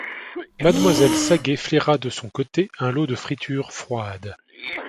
Mademoiselle Saget flaira de son côté un lot de friture froide.